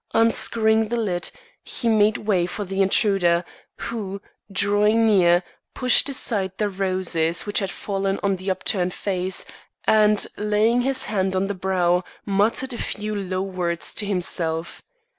Unscrewing the lid, he made way for the intruder, who, drawing near, pushed aside the roses which had fallen on the upturned face, and, laying his hand on the brow, muttered a few low words to himself.